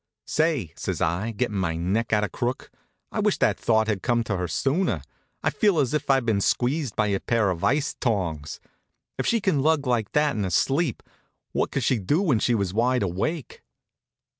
"Say," says I, gettin' me neck out of crook, "I wish that thought had come to her sooner. I feel as if I'd been squeezed by a pair of ice tongs. If she can hug like that in her sleep, what could she do when she was wide awake?"